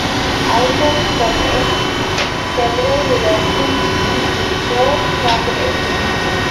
Out of protest, several European teams withdrew from the race.